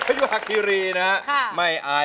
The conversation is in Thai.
เพลงที่๑มูลค่า๑๐๐๐๐บาท